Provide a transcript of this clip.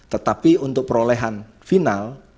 tetapi untuk perolehan final